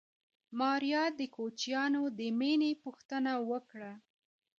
ماريا د کوچيانو د مېنې پوښتنه وکړه.